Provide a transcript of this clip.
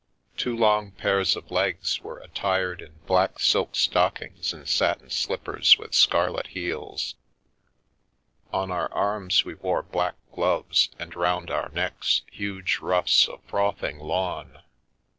Two long pairs of legs were attired in black silk stockings and satin slippers with scarlet heels; on our arms we wore black gloves, and round our necks huge ruffs of frothing lawn.